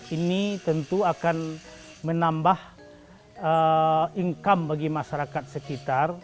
ini tentu akan menambah income bagi masyarakat sekitar